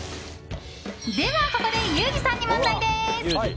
では、ここでユージさんに問題です。